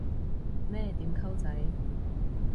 咩點溝仔